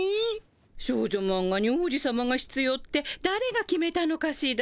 少女マンガに王子さまがひつようってだれが決めたのかしら？